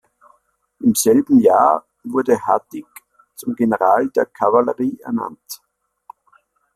Im selben Jahr wurde Hadik zum General der Kavallerie ernannt.